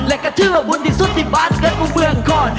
และก็คือว่าบุญที่สุดที่บ้านเกิดคือเมืองคลอน